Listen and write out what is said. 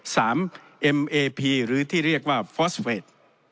เอ็มเอพีหรือที่เรียกว่าฟอสเวท